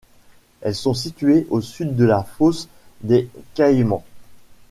Elles sont situées au Sud de la fosse des Caïmans.